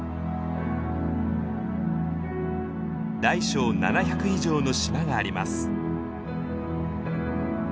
大小７００以上の島があります。